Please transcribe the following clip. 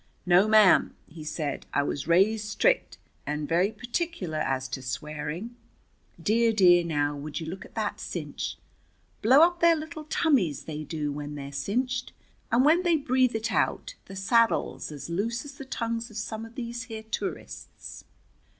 "No, ma'am," he said. "I was raised strict, and very particular as to swearing. Dear, dear now, would you look at that cinch! Blow up their little tummies, they do, when they're cinched, and when they breathe it out, the saddle's as loose as the tongues of some of these here tourists."